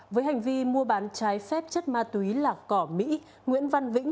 với hành vi mua bán trái phép chất ma túy là cỏ mỹ nguyễn văn vĩnh